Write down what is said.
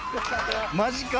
マジか。